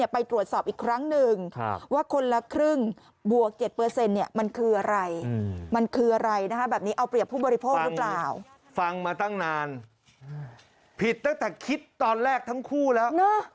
ผิดตั้งแต่คิดตอนแรกทั้งคู่แล้วเออตั้งแต่ตอนแรกเลย